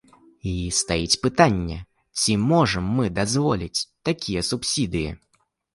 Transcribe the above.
І стаіць пытанне, ці можам мы дазволіць такія субсідыі?